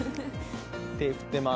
手を振ってます。